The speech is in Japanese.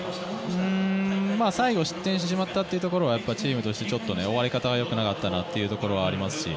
最後、失点をしてしまったところはチームとして終わり方は良くなかった部分はありますし